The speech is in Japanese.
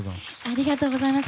ありがとうございます。